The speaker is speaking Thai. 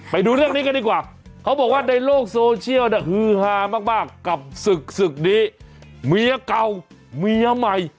ไปดูเรื่องนี้กันดีกว่าเขาบอกว่าในโลกโซเชียลเนี่ยฮือฮามากกับศึกศึกนี้เมียเก่าเมียใหม่